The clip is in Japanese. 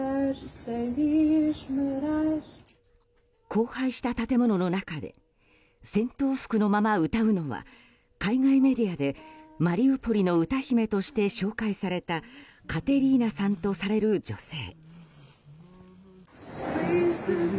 荒廃した建物の中で戦闘服のまま歌うのは海外メディアで、マリウポリの歌姫として紹介されたカテリーナさんとされる女性。